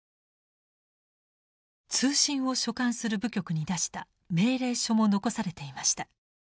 通信を所管する部局に出した命令書も残されていました。